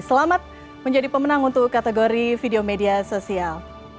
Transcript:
selamat menjadi pemenang untuk kategori video media sosial